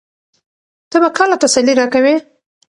ته به کله تسلي راکوې؟